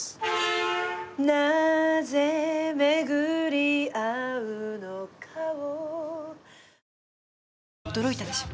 「なぜめぐり逢うのかを」